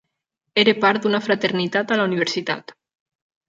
Era part d'una fraternitat a la universitat.